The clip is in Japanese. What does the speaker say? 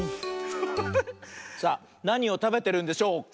さあなにをたべてるんでしょうか？